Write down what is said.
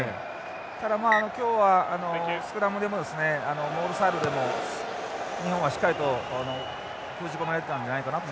ただ今日はスクラムでもですねモールサイドでも日本はしっかりと封じ込められてたんじゃないかなと。